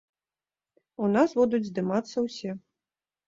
У нас будуць здымацца ўсе.